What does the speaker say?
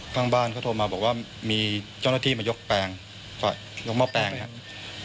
ข้างบ้านเขาโทรมาบอกว่ามีเจ้าหน้าที่มายกแปลงยกหม้อแปลงครับ